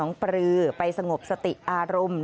ปลือไปสงบสติอารมณ์